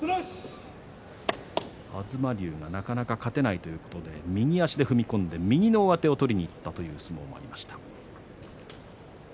東龍がなかなか勝てないということで右足で踏み込んで右の上手を取りにいった相撲もありました。